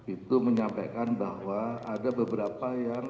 itu menyampaikan bahwa ada beberapa yang